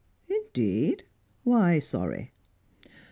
"Indeed? Why sorry?"